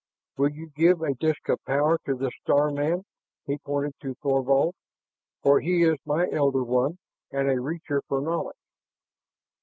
"Will you give a disk of power to this star man?" He pointed to Thorvald. "For he is my Elder One and a Reacher for Knowledge.